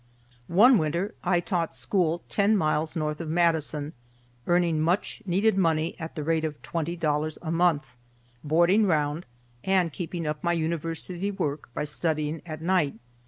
One winter I taught school ten miles south of Madison, earning much needed money at the rate of twenty dollars a month, "boarding round," and keeping up my University work by studying at night.